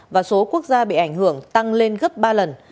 và số quốc gia bị ảnh hưởng tăng lên gấp ba lần